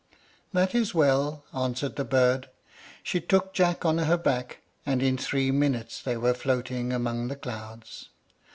"That is well," answered the bird. She took Jack on her back, and in three minutes they were floating among the clouds.